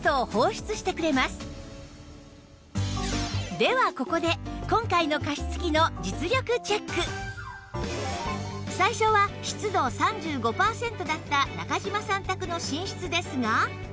ではここで今回の最初は湿度３５パーセントだった中嶋さん宅の寝室ですが